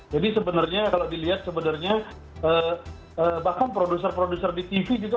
jadi sebenarnya kalau dilihat sebenarnya bahkan produser produser di tv gitu